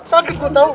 sakit gua tau